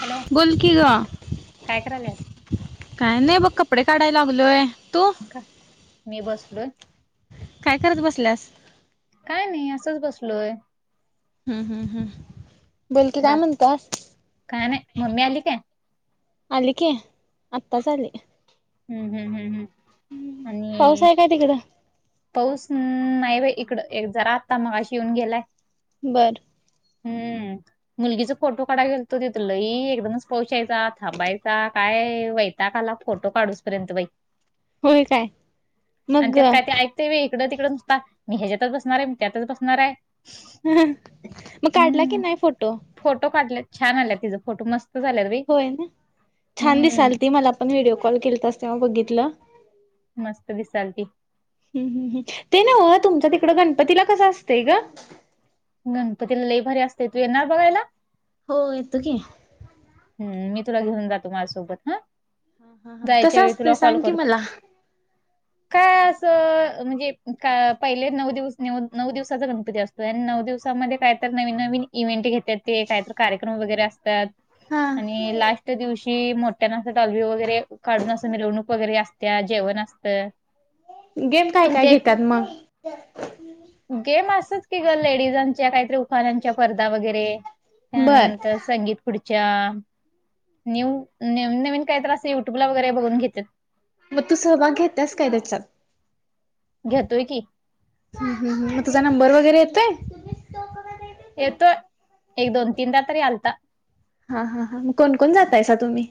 Hello बोलकी गं काय करायल्यास काय नाही बघ, कपडे काढाया लागलोय, तू? क, मी बसलोय. काय करत, बसल्यास? काय नही असंच, बसलोय. हम्म हम्म हम्, बोलकी काय बा म्हणतोय? काय नाही मम्मी आली काय आले की, आत्ताच आले. हम्म हम्म हम्म हम्, पाऊस आणि आहे काय तिकडं पाऊस न-नाही बाई इकडं, एक जरा आता मगाशी येऊन गेलाय. बरं. हम्म, मुलगीचा फोटो काढाय गेलतो, तिथ लई एकदमच पाऊस यायचा, थांबायचा काय वैताक् आला, फोटो काढूसपर्यंत बाई. होय काय आनं मग त्यात काय ते ऐक ते व्हय इकडं तिकडं नुसता, मी ह्या ज्यातच बसणार आहे, मी त्यातच बसणार आहे. मग काढला की हम्म नाही फोटो? फोटो काढलेत, छान आल्या तिचां फोटो मस्त झाल्यात बाई होय ना, छान दिसाल हम्म ती मला पण व्हिडिओ कॉल केलतास तेव्हा बघितलं. मस्त दिसाल ती. हम् हम हम्म, ते ना व तुमच्या तिकडं गणपतीला कसं असतंय ग? गणपतीला लई भारी असते, तू येणार बघायला? हो येतो की. हम्म, मी तुला घेऊन जातो माझ्यासोबत हा कसं जायच्यावेळी असतंय तुला कॉल सांग की करतो. मला काय असं म्हणजे का पहिले नऊ दिवस न नऊ दिवसाचा गणपती असतो. नऊ दिवसामध्ये काय तर नवीन नवीन इव्हेंट घेतात ते कायत कार्यक्रम वगैरे असतात हा आणि लास्ट दिवशी मोठ्यानं अस डॉल्बी वगैरे काढून असं मिरवणूक वगैरे असत्यात. जेवण असतं. गेम काय काय तुमच्या एक घेतात मग? गेम असच की ग लेडीजांच्या काहीतरी उखाण्यांच्या स्पर्धा वगैरे. बर त्यानंतर संगीत खुर्च्या. न्यू न्यू नवीन काय तर अस युट्यूब ला वगैरे बघून घेतेत. मग तू सहभाग घेतस काय त्याच्यात? घेतोय की. हम्म हम्म, मग तुझा नंबर वगैरे येतोय? येतोय, एक दोन तीनदा तरी आलता. हा हा हां, मग कोण कोण जातायसा तुम्ही?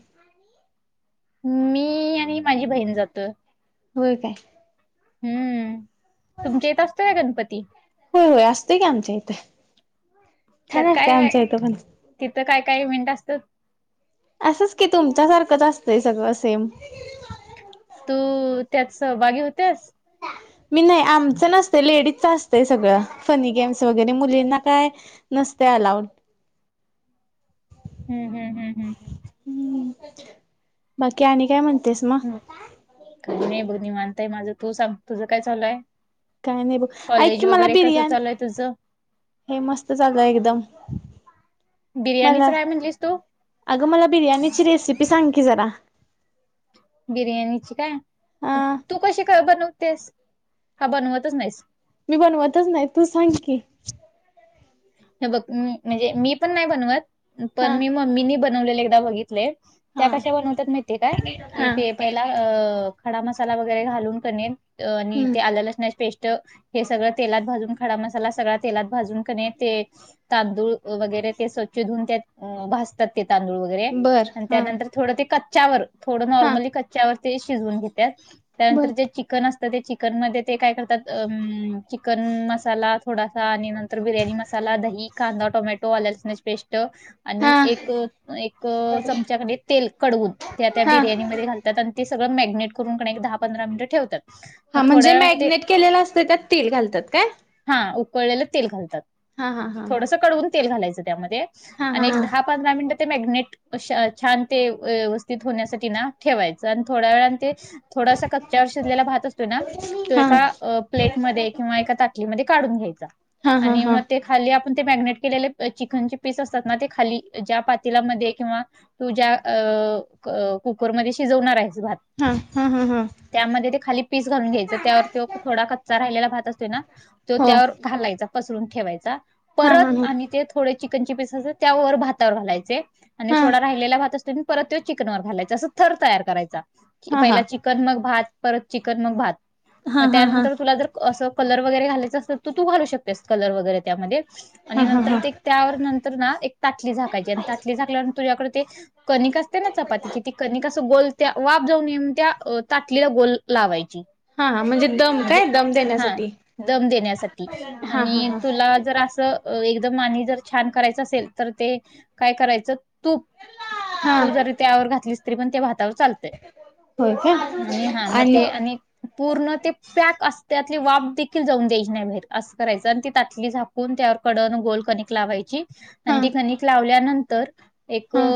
मी आणि माझी बहीण जातोय. होय काय? हम्म, तुमच्या इथं असतोय का गणपती? होय होय, असतेय की आमच्या इथं. त्यात छान काय असतंय आहे? आमच्या इथं पण. तिथं काय काय इव्हेंट असतात? असंच की तुमच्यासारखं असतंय सगळं सेम. तू त्यात सहभागी होतेस? मी नाही, आमचं नसतं, लेडीजच असतं सगळं फनी गेम्स वगैरे मुलींना काय नसते अलाउड. हम्म हम्म हम्म हम्म! हम्म, बाकी आणि काय म्हणतेस मग? काही नाही बघं निवाताय माझं तू सांग तुझं काय चालूय? काय नाही बघ. ऐक की मला बिर्याणी चालू आहे तुझं हे मस्त चालुय एकदम. बिर्याणीचं मला काय म्हणलीस तू? अगं मला बिर्याणीची रेसिपी सांग की जरा. बिर्याणीची काय? अ तू कशी का बनवतेस? का बनवतच नाहीस? मी बनवतच नाही तू सांग की. हे बघ म म्हणजे मी पण नाही बनवत हा पण मी मम्मीनी बनवलेले एकदा बघितले. त्या हा कशा बनवतात माहीतेय काय कि हा ते पहिला अ खडा मसाला वगैरे घालून क ने आणि ते हम्म आलं लसणाची पेस्ट हे सगळं तेलात भाजून, खडा मसाला सगळा तेलात भाजून कने ते तांदूळ वगैरे ते स्वच्छ धऊन त्यात भाजतात ते तांदूळ आरे बर हा त्यानंतर थोडं ते कच्च्यावर थोडं हा नॉर्मली कच्च्यावर ते शिजवून घेत्यात. बर त्यानंतर जे चिक कन असतं ते चिकन मध्ये ते काय करतात अम चिकन मसाला थोडासा आणि नंतर बिर्याणी म साला दही, कांदा, टोमॅटो, आलं लसणाची पेस्ट हा आणि एक एक चमच्याकणी तेल कडवून त्या त्या हा बिर्याणीमध्ये घाल त्यात आणि ते सगळ मॅग्नेट करून क नाही एक दहा पधरा मिनट ठेवतात. हा मग थोड्या म्हणजे वेळाने ते मॅग्नेट केलेला असत त्यात तिल घालतात काय? हा उकळलेलं तेल घालतात. हा हा हा थोडस कडवून तेल घालायचं त्यामध्ये हा हा आणि एक दहा पंधरा मिनिट ते मॅग्नेट अशा छान ते व्यवस्थित होण्यासाठी ना ठेवायचं आणि थोड्या वेळा ते थोडासा कच्च्यावर शिजलेला भात असतो ना, तो हा हा एका प्लेटमध्ये किंवा एका त [unintelligible] ली मध्ये काढून घ्यायचं हा हा आणि मग ते खाली आपण ते मॅग्नेट केलेले चिकनचे पीस असतात ना ते खाली ज्या पातीलामध्ये किंवा तुझ्या अ कुकरमध्ये शिजवणार आहेस भात. हा, हा हा हा. त्यामध्ये ते खाली पीस घालून घ्यायचं त्यावर तो थोडा कच्चा राहिलेला भात असतोय ना तो हो त्यावर घालायचा पसरून ठेवायचा हा हा परत ह आणि त्यात थोडे चिकनचे पीस अस त्या वर भातावर घालायचे आणि हा थोडा राहिलेला भात असतोय परत तो चिकन वर घालायच अस थर तयार करायचा, हा हा पहिला चिक कन मग भात परत चिकन मग भात, हा मग हा हा हा त्यानंतर तुला जर असं कलर वगैरे घालायचं असतं त तू घालू शकतेस कलर वगैरे त्यामध्ये हा आणि हा नंतर ते त्यावर नंतर ना एक तातली झाकायची आणि तातली झाकल्यान तुझ्याकडे ते कनिक असते ना चपातीची ती कनिक अस गोल त्या वाफ जाऊ नये [unintelligible] त्या अ तातलीला गोल लावायची. हा हा म्हणजे दम म्हणजे काय दम हा देण्यासाठी दम देण्यासाठी हा हा आणि हा [unintelligible] जर असं एकदम आणि जर छान करायचं असेल तर ते काय करायचं तूप हा तू जरी त्यावर घातलीस तरी पण ते भातावर चाल ते होय का आणि हा म ते आणि पूर्ण ते पॅक अस त्यातली वाप देखील जाऊन द्यायची नाही बहिर असं करायचं आणि तात ली झाकून त्यावर कडन गोल कनिक लावायची आणि ती कनिक लावल्यानंतर एक हा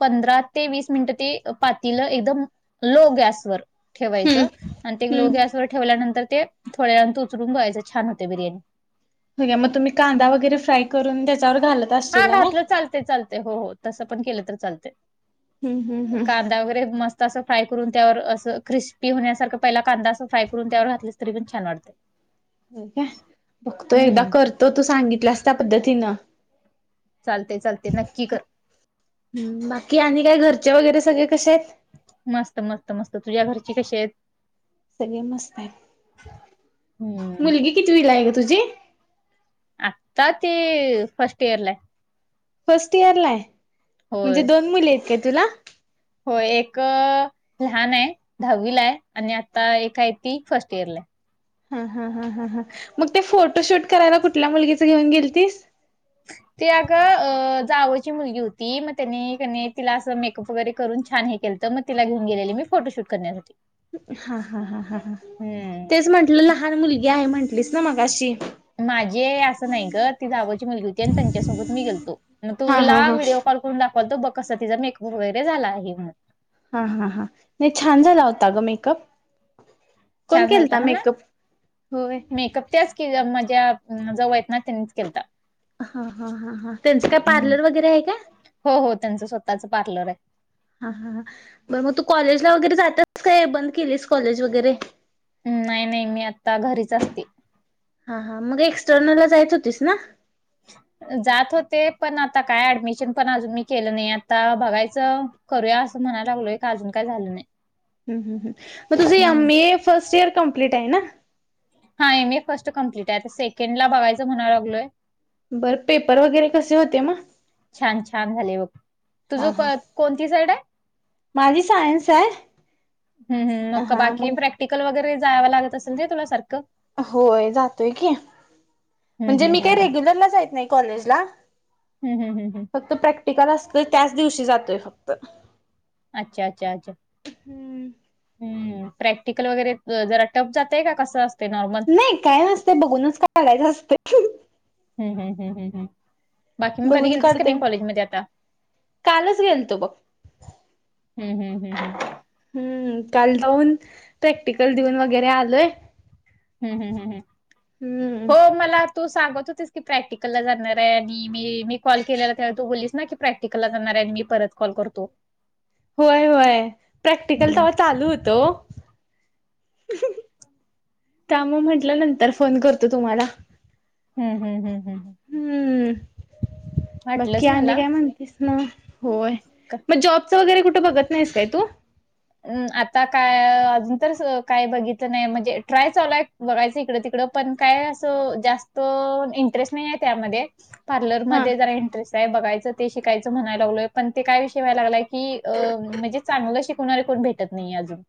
पंधरा ते वीस मिनिटं ते पातीलं एकदम लो गॅसवर हम्म ठेवायचं आणि ते लो हम्म गॅसवर ठेवल्यानंतर ते थोड्या [unintelligible] उचरून बघायच छान होते बिर्याणी. [unintelligible] तुम्ही कांदा वगैरे फ्राय करून त्याच्यावर घालत हा असशीला नाही? घातलं चालते चालते हो हो तसं पण केलं तर चालते. हम्म हम्म हम्म. कांदा वगैरे मस तस फाय करून त्यावर अस क्रिस्पी होण्यासारख पहिला कांदा असं फ्राय करून त्यावर घातलीस तरीपण छान वाटतं. [inaudible] होय का? बघतो एकदा करतो तू सांगितल्यास त्या पद्धतीनं. चालते चालते नक्की कर. हम, बाकी आणि काय घरचे वगैरे सगळे कसे आहेत. मस्त मस्त मस्त तुझ्या घरची कशी आहेत. सगळे मस्त आहे. हम्म मुलगी कितवीला आहे ग तुझी? आत्ता ती फर्स्ट इयरला हाय. फर्स्ट इयर ला आहे म्हणजे, होय दोन मुली आहेत काय तुला? होय एक लहान आहे दहावी ला आहे आणि आता एक आहे ती फर्स्ट इयर ला हाय. हा हा हा हा मग ते फोटो शूट करायला कुठल्या मुलगीचं घेऊन गेल तीस. ते अगं जावची मुलगी होती म तेनी कणी तिला असं मेकअप वगैरे करून छान हे केलं त म तिला घेऊन गेलेली मी फोटोशूट करण्यासाठी. हा हा हा हा हा हम्म तेच म्हंटलं लहान मुलगी आहे म्हंटलीस ना मगाशी? माझी आहे असं नाही ग ती जावची मुलगी होती, आणि त्यांच्यासोबत मी गेलतो, मग हा तुला हा हा व्हिडिओ कॉल करून दाखवालतो बघ कसा तिचा मेकअप वगैरे झाला आहे म्हणून. हां हां हां नाही छान झाला होता ग मेकअप. कोण छान केलता झालता हा ना मेकअप? होय. मेकअप त्याच ज्या माज्या जाऊ आहेत ना त्यांनीच केलता. हां हां हां हां त्यांचं काय हम्म. पार्लर वगैरे आहे काय? हो हो त्यांचं स्वतःच पार्लर हाय. हा हा हा. बरं मग तू कॉलेजला वगैरे जत्यास काय बंद केलीस कॉलेज वगैरे? नाही नाही मी आता घरीच असते. हा हा मग एक्सटर्नल ला जाइत होतीस ना? जात होते, पण आता काय ऍडमिशन पण अजून मी केलं नाही आता बघायचं करूया असं म्हणाय लागलोय काय अजून काय झालं नाही. हम हम हम मग तुझ एम हम्म. ए फर्स्ट इयर कम्प्लीट आहे ना? हा एम ए फर्स्ट कम्प्लीट हाय आता सेकंड ला बघायं म्हणाय लागलोय. बरं पेपर वगैरे कसे होते म? छान छान झाले बघ. हा हा तुझं कोणती साईड हाय? माझी साय हम् हम् मग बाकी प्रॅक्टिकल वगैरे जाव लागत असेल ना तुला सारखं? होय जातोय की, हम्म, म्हणजे मी हम्म, काही हम्म, हम्म. रेग्युलरला जायीत नाही कॉलेजला हम् हम हम हम. फक्त प्रॅक्टिकल असतंय त्याच दिवशी जातोय फक्त. अच्छा अच्छा अच्छा. हम्म हम्म प्रॅक्टिकल वगैरे जरा टप जातय का कसं अस नाही काय नसतय बघूनच काढायचं असतय. हम्म्म हम्म्म हम्म्म हम्म्म हम्म्म. बाकी मग कधी बघून गेलतीस कनी काढते कॉलेज मध्ये आता? कालच गेलतो बघ हम्म हम्म हम्म हम्. हम्म काल जाऊन प्रॅक्टिकल देऊन वगैरे आलोय हम् हम् हम हम. हम्म हो मला तू सांगत होतीस की प्रॅक्टिकलला जाणार हाय, आणि मी मी कॉल केलेला त्या वेळी तू बोललीस ना की प्रॅक्टिकलला जाणार हाय आणि मी परत कॉल करतो. होय होय प्रॅक्टिकल हम्म तेवा चालू होतं वो. त्या मुळ म्हटल नंतर फोन करतो तुम्हाला. हम् हम हम हम. हम्म. बाकी वाटलंच आणि मला काय म्हणतीस म? होय. म जॉबचं वगैरे कुठे बघत नाहीस काय तू? हम् आता काय अजून तर काय बघितलं नाही म्हणजे ट्राय चालू हाय बघायचं इकडं तिकडं पण काय असं जास्त इंटरेस्ट नाही आहे त्यामध्ये पार्लर हा मध्ये जरा एंटरेस्ट हाय बघायचं ते शिकायचं म्हणायला लागलोय, पण ते काय विषय व्हाय लागलाय की अ म्हणजे चांगलं शिकणारे कोण भेटत नाहीे अजून.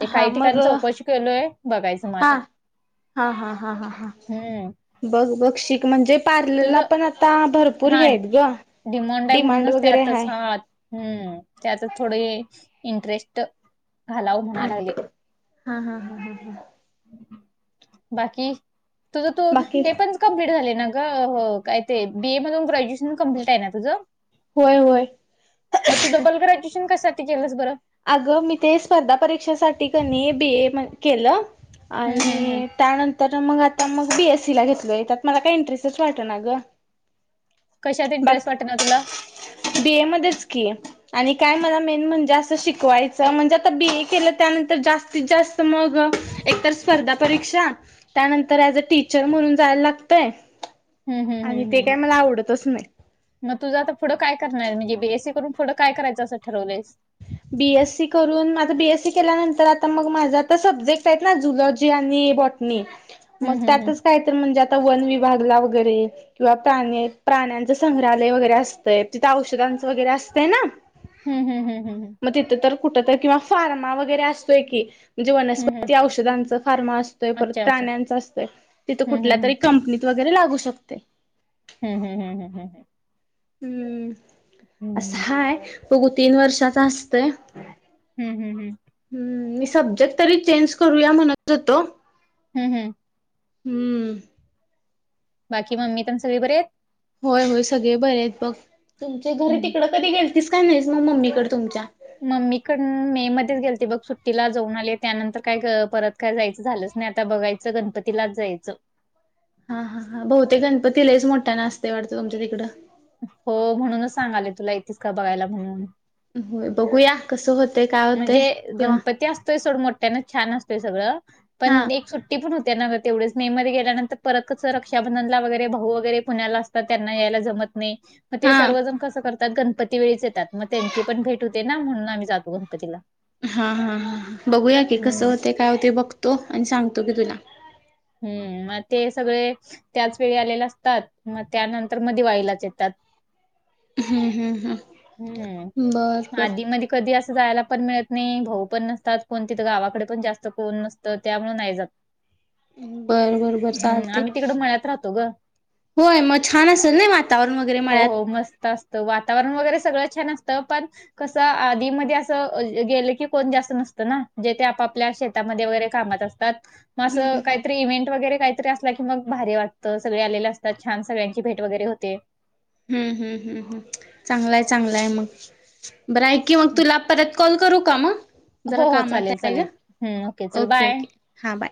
हे हा काही मग ठिकाण चौकशी केलोय बघायचं म हा आता. हा हा हा हा हा हम्म बघ बघ शिक म्हणजे पार्लरला तुझं पण आता भर हा डिमोंड आहे म्हणूनच ते वगैरे आता हाय सा हम्म, त्याच थोडे इंटरेस्ट घालाव हा म्हणायला लागली. हा हा हा ह ह बाकी? तुझं तू बाकी हे पण कम्प्लीट झाले ना ग, काय ते बीए मधून ग्रॅज्युएशन कं्प्लीट आहे ना तुझं? होय, होय, मग तू डबल ग्रॅज्यएशन कससाठी केलंस बरं? अगं मी ते स्पर्धा परीक्षेसाठी कनी बी ए केलं हम्म हम्म हम्म आणि त्यानंतर तर मग आता मग बी एस सी ला घेतलय. त्यात मला काही इंटरेस्टच वाटत ना गं. कशात इंरेस्ट वाटत ना तुला? बीए मध्येच की, आणि काय मला मेन म्हणजे अस शिकवायच म्हणजे, आता बी ए केलं त्यानंतर, जास्तीत -जास्त मग एकतर स्पर्धा परीक्षा त्यानंतर ऍज अ टीचर म्हणून जायला लागतय. हम्म हम्म आणि हम्म ते काय हम्म मला आवडतच नाही. मग तुझं आता पुढं काय करणार म्हणजे बीएसी करून पुढं काय करायचं असं ठरवलंस? बी एस सी करून, माझ बी एस सी केल्यानंतर, आता मग माझा आता सब्जेक्ट आहेत ना झुलॉजी आणि बॉट नाही मग हम्म हम्म त्यातच काय तर म्हणजे आता वन विभागला वगैरे किंवा प्राणी- प्राण्यांचं संग्रहालय वगैरे असतय तिथं औषधांचं वगैरे असतय ना हम हम हम हम..... मग तिथं तर, कुठ तर किंवा फार्मा वगैरे असतोय की, म्हणजे हम्म हम्म. वस्पती औषध फार्मा असतोय, परत अच्छा अच्छा प्राण्यांच असतोय, तिथ हम्म कुठल्या तरी हम्म कंपनी वगैरे लागू शकते. हम हम हम हम...... हम्म, असं हम्म हाय बघू तीन वर्षाचा असतय हम् हम् हम हम्म, मी सब्जेक्ट तरी चेंज करूया म्हणत होतो. हम्, हम् हम्म. बाकी मम्मी पन सगळे बरे आहेत? होय होय सगळे बरे आहेत बघ, तुमचे घरी हम्म तिकडं कधी गेलतीस का नाहीच मग मम्मीकडे तुमच्या? मम्मीकड मे मध्येच गेल ते बघ सुट्टीला जाऊन आली त्यानंतर काय परत काय जायचं झालंच नाही आता बघायचं गणपतीलाच जायचं. हा हा हा बहुतेक गणपती लईच मोठ्यान असतंय वाटतं तुमच्या तिकडं? हो म्हणूनच सांगाले तुला येतीस का बघायला म्हणून? होय, बघूया. कसं होतय का म्हणजे गणपती असतोय सोडं मोठ्यान छान असतोय सगळं, हा पण एक सुट पण होतना तेवढेच मे मध्ये गेल्यानंतर परतच रक्षाबंधनला वगैरे भाऊ वगैरे पुण्याला असतात. त्यांना यायला जमत नाही मग ते हा. सर्वजण कसं करतात गणपती वेळीच येतात. मग त्यांची पण भेट होते ना म्हणून आम्ही जातो. कधीला. हा हा हां बघूया की, कसं होते, काय होते बघतो. आणि सांगतो की तुला. हम्म, मग ते सगळे त्याच वेळी आलेल्या असतात. मग त्यानंतर दिवाळीला येतात. हम्म हम्म हम्म, बर बर. आधी- मधी कधी असं जायला पण मिळत नाही भाऊ पण नसतात. कोणती तर गावाकडे पण जास्त कोण नसतं त्यामुळेळ नाही जात. बरं बरं, हम् आम्ही तिकडं मळयात राहतो ग. होय मग छान असेल नाही वातावरण वगैरे मळ्यात. मस्तास वातावरण वगैरे सगळं छान असतं पण कसं आधी मध्ये असं गेलं की कोण जास्त नसतं ना, जे ते आपापल्या शेत त्यामध्ये वगैरे कामात असतात. मग हम्म असं काहीतरी इव्हेंट वगैरे काहीतरी असला की मग भारी वाटतं. सगळे आलेले असतात छान सगळ्यांची भेट वगैरे होते. ह ह ह ह, चांगलाय चांगलाय मग ब्राईक की मग तुला परत कॉल करू का मग हो, जरा हो. कामात चालेल, आहे चालेल. ग हं. चल ओके बाय. ओके. हा बाय.